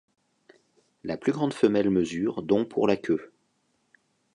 La plus grande femelle mesure dont pour la queue.